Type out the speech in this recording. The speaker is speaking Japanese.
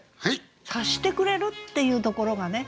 「察してくれる」っていうところがね